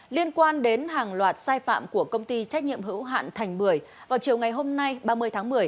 liên quan đến hàng loạt sai phạm của công ty trách nhiệm hữu hạn thành bưởi vào chiều ngày hôm nay ba mươi tháng một mươi